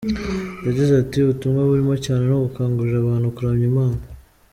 Yagize ati “Ubutumwa burimo cyane ni ugukangurira abantu kuramya Imana.